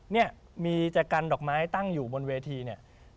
เนี่ยมีจากกันดอกไม้ตั้งอยู่บนเวทีเนี่ย